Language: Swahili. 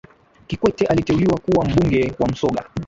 kikwete aliteuliwa kuwa mbunge wa msoga